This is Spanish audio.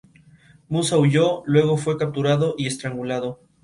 Musa huyó, luego fue capturado y estrangulado.